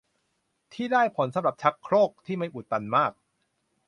ที่ได้ผลสำหรับชักโครกที่ไม่อุดตันมาก